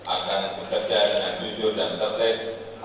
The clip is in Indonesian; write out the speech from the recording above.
akan bekerja dengan jujur dan tertib